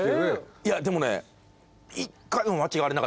いやでもね。